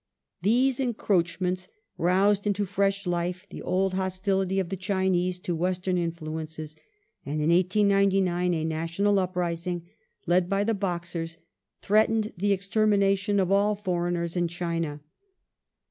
These encroachments roused into fresh life the old hostility of the Chinese to Western influences, and in 1899 a national uprising, led by the '' Boxers," threatened the extermination of all foreigners in China.